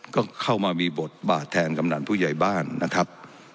ก็เข้ามามีบทบาทแทนกำนันผู้ใหญ่บ้านนะครับ